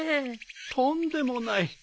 とんでもない。